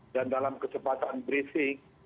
dan dalam kesempatan berisik